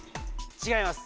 違います。